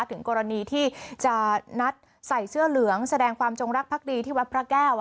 ถึงกรณีที่จะนัดใส่เสื้อเหลืองแสดงความจงรักภักดีที่วัดพระแก้ว